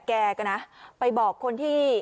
แกก็นะไปบอกคนที่